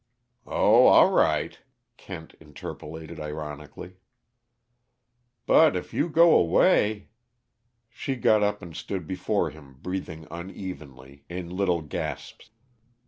"Oh, all right," Kent interpolated ironically. "But if you go away " She got up and stood before him, breathing unevenly, in little gasps.